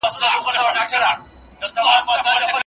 د غسل لپاره له کور څخه د ښځو وتل شريعت منع کړي دي.